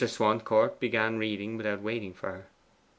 Swancourt began reading without waiting for her.